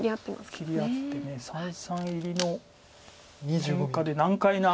切り合って三々入りの変化で難解な。